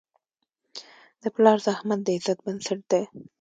د پلار زحمت د عزت بنسټ دی.